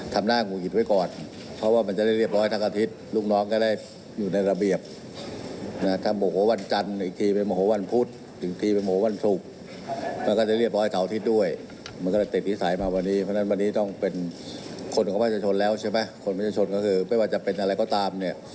ที่ทุกคนอยากตั้งให้ผมเป็นผมก็เป็นให้หมดนั่นแหละ